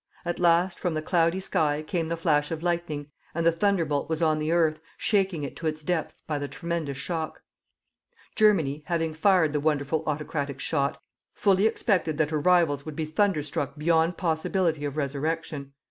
At last from the cloudy sky came the flash of lightning, and the thunderbolt was on the earth shaking it to its depth by the tremendous shock. Germany, having fired the wonderful autocratic shot, fully expected that her rivals would be thunderstruck beyond possibility of resurrection.